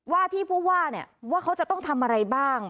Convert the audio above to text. ว่าที่ผู้ว่าเนี่ยว่าเขาจะต้องทำอะไรบ้าง